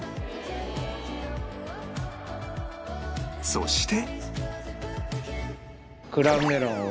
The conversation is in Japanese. そして